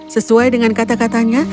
sesuai dengan kata katamu